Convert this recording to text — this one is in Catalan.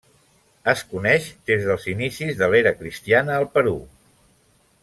Es coneix des dels inicis de l'era cristiana al Perú.